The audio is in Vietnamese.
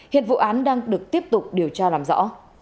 hiện vụ án đang được tiếp tục điều tra làm rõ